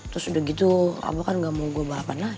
terus udah gitu aku kan gak mau gue balapan lah